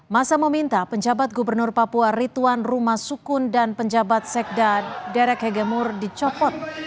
masa meminta penjabat gubernur papua rituan rumah sukun dan penjabat sekda derek hegemur dicopot